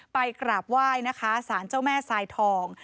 กราบไหว้นะคะสารเจ้าแม่ทรายทอง